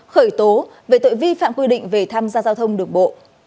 khởi tố về tội vi phạm quy định về tham gia giao thông đường bộ